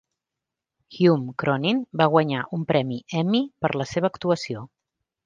Hume Cronyn va guanyar un premi Emmy per la seva actuació.